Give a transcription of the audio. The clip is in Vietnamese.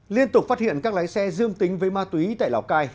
liên tục phát hiện các lái xe dương tính với ma túy tại lào cai